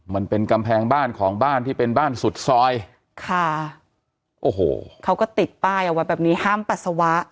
มันเป็นกำแพงบ้านของบ้านที่เป็นบ้านสุดซอยค่ะโอ้โหเขาก็ติดป้ายเอาไว้แบบนี้ห้ามปัสสาวะ